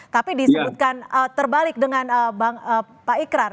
tapi disebutkan terbalik dengan pak ikrar